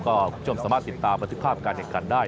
ก็คุณผู้ชมสามารถติดตามประทบภาพการเห็นกันได้